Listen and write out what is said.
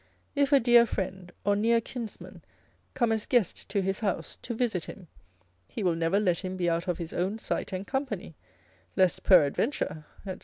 If a dear friend or near kinsman come as guest to his house, to visit him, he will never let him be out of his own sight and company, lest, peradventure, &c.